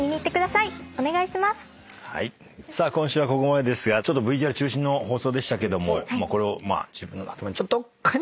さあ今週はここまでですがＶＴＲ中心の放送でしたけどもこれを自分の頭のどっかに。